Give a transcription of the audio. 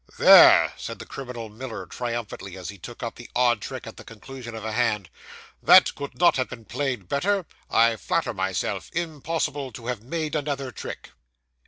'There!' said the criminal Miller triumphantly, as he took up the odd trick at the conclusion of a hand; 'that could not have been played better, I flatter myself; impossible to have made another trick!